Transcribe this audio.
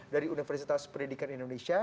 dari universitas pendidikan indonesia